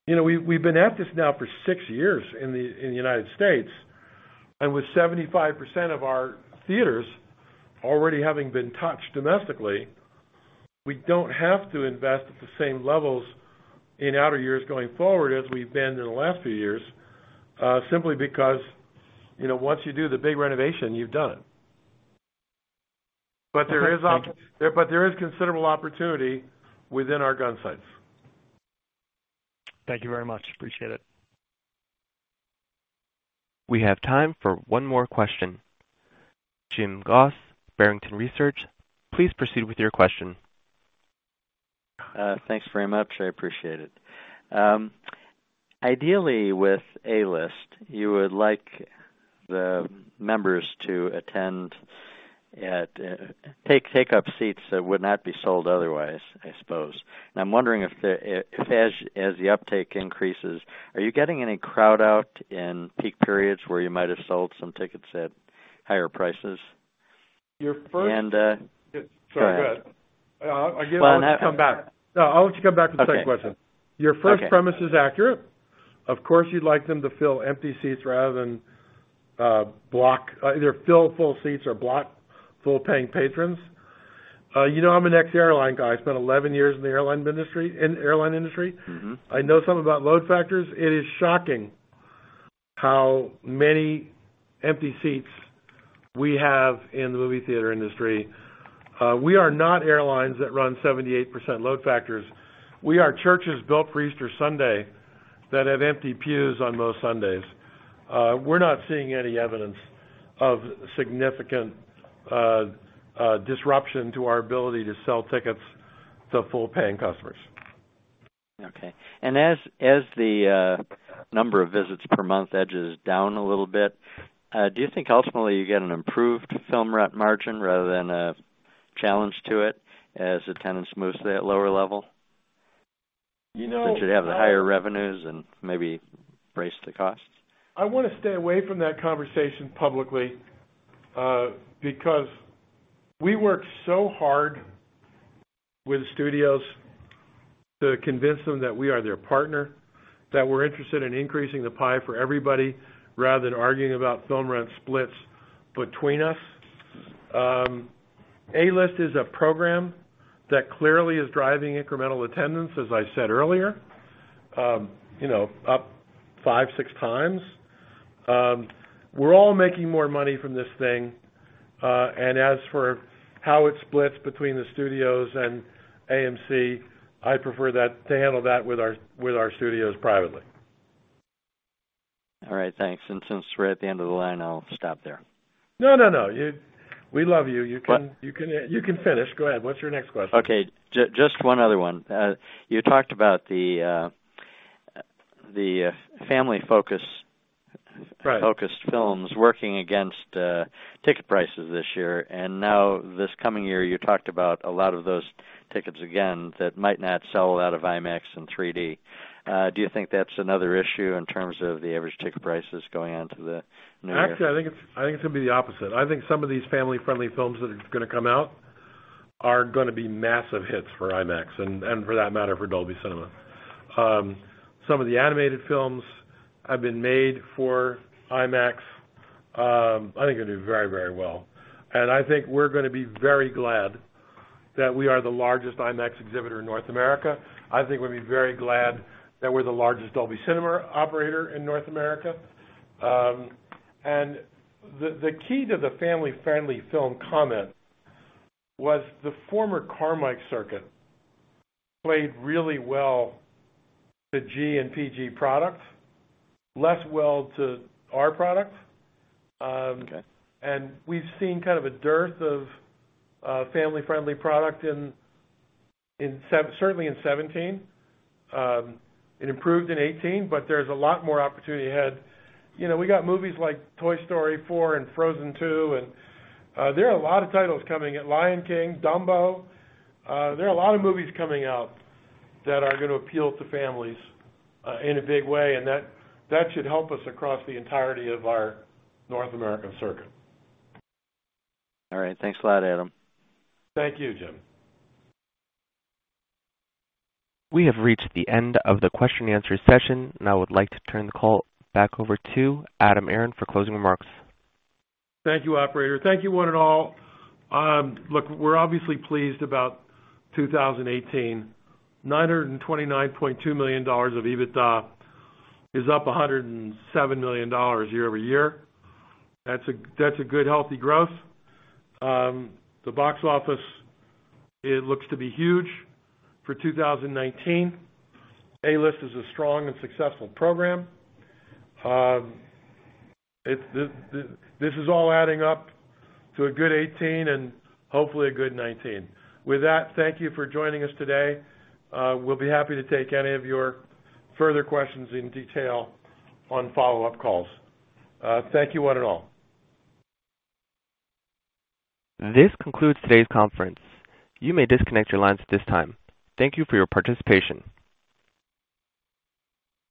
we've been at this now for six years in the United States, and with 75% of our theaters already having been touched domestically, we don't have to invest at the same levels in outer years going forward as we've been in the last few years, simply because, once you do the big renovation, you're done. Okay. Thank you. There is considerable opportunity within our gunsights. Thank you very much. Appreciate it. We have time for one more question. Jim Goss, Barrington Research, please proceed with your question. Thanks very much. I appreciate it. Ideally, with A-List, you would like the members to take up seats that would not be sold otherwise, I suppose. I'm wondering if as the uptake increases, are you getting any crowd out in peak periods where you might have sold some tickets at higher prices? Your first- Go ahead. Sorry, go ahead. Well, I'm happy. I want you to come back. No, I want you to come back to the second question. Okay. Your first premise is accurate. Of course, you'd like them to fill empty seats rather than block, either fill full seats or block full-paying patrons. I'm an ex-airline guy. I spent 11 years in the airline industry. I know something about load factors. It is shocking how many empty seats we have in the movie theater industry. We are not airlines that run 78% load factors. We are churches built for Easter Sunday that have empty pews on most Sundays. We're not seeing any evidence of significant disruption to our ability to sell tickets to full-paying customers. Okay. As the number of visits per month edges down a little bit, do you think ultimately you get an improved film rent margin rather than a challenge to it as attendance moves to that lower level? You know Since you'd have the higher revenues and maybe brace the costs? I want to stay away from that conversation publicly, because we work so hard with studios to convince them that we are their partner, that we're interested in increasing the pie for everybody rather than arguing about film rent splits between us. A-List is a program that clearly is driving incremental attendance, as I said earlier up five, six times. We're all making more money from this thing. As for how it splits between the studios and AMC, I prefer to handle that with our studios privately. All right, thanks. Since we're at the end of the line, I'll stop there. No, we love you. You can finish. Go ahead. What's your next question? Okay. Just one other one. You talked about the family-focused- Right focused films working against ticket prices this year. Now this coming year, you talked about a lot of those tickets again that might not sell out of IMAX and 3D. Do you think that's another issue in terms of the average ticket prices going on to the new year? Actually, I think it's going to be the opposite. I think some of these family-friendly films that are going to come out are going to be massive hits for IMAX and for that matter, for Dolby Cinema. Some of the animated films have been made for IMAX. I think it'll do very, very well. I think we're going to be very glad that we are the largest IMAX exhibitor in North America. I think we'll be very glad that we're the largest Dolby Cinema operator in North America. The key to the family-friendly film comment was the former Carmike circuit played really well to G and PG products, less well to R products. Okay. We've seen kind of a dearth of family-friendly product, certainly in 2017. It improved in 2018. There's a lot more opportunity ahead. We got movies like "Toy Story 4" and "Frozen 2." There are a lot of titles coming. "Lion King," "Dumbo." There are a lot of movies coming out that are going to appeal to families in a big way, and that should help us across the entirety of our North American circuit. All right. Thanks a lot, Adam. Thank you, Jim. We have reached the end of the question and answer session, I would like to turn the call back over to Adam Aron for closing remarks. Thank you, operator. Thank you one and all. Look, we're obviously pleased about 2018. $929.2 million of EBITDA is up $107 million year-over-year. That's a good, healthy growth. The box office, it looks to be huge for 2019. A-List is a strong and successful program. This is all adding up to a good 2018 and hopefully a good 2019. With that, thank you for joining us today. We'll be happy to take any of your further questions in detail on follow-up calls. Thank you, one and all. This concludes today's conference. You may disconnect your lines at this time. Thank you for your participation.